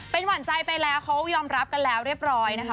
เป็นหวานใจไปแล้วเขายอมรับกันแล้วเรียบร้อยนะคะ